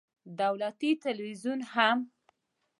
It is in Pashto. دولتي ټلویزیون هم